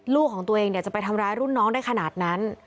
ลูกของตัวเองจะไปทำร้ายรุ่นน้องได้ขนาดนั้น